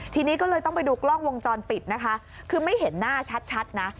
ทีนี้ก็เลยต้องไปดูกล้องวงจรปิดนะคะคือไม่เห็นหน้าชัดนะ